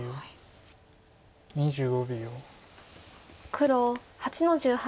黒８の十八。